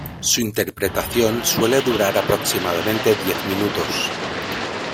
Su interpretación suele durar aproximadamente diez minutos.